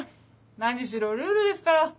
何しろルールですから。